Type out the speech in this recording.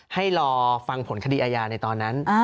ให้รอฟังผลคดีอาญาในตอนนั้น